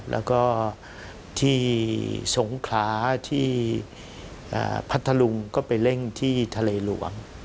แล้วก็ที่สงคราที่พัทธลุงก็ไปเร่งที่ทะเลหลวง